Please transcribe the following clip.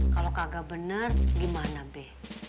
kalau kagak bener gimana be